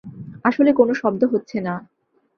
আসলে কোনো শব্দ হচ্ছে না।